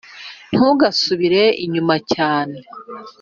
ntugasubire inyuma cyane